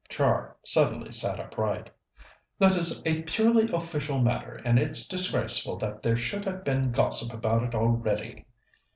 Char suddenly sat upright. "That is a purely official matter, and it's disgraceful that there should have been gossip about it already."